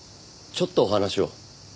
ちょっとお話を。